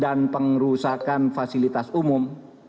dan penggunaan yang merusakan fasilitas umum